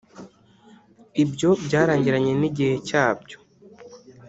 ibyo byarangiranye n’igihe cyabyo